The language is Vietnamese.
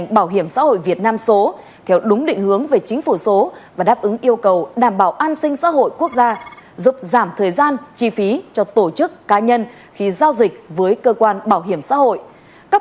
bảo hiểm xã hội việt nam đã hoàn thành việc nâng cấp phần mềm bổ sung chức năng để hỗ trợ bảo hiểm y tế